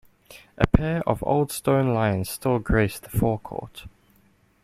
A pair of old stone lions still grace the forecourt.